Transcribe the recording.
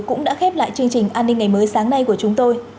cũng đã khép lại chương trình an ninh ngày mới sáng nay của chúng tôi